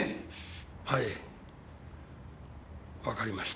はいわかりました。